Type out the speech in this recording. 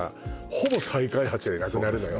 ほぼ再開発でなくなるのよ